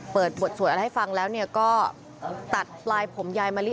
เปิดบทสวดอะไรให้ฟังแล้วก็ตัดปลายผมยายมะลิ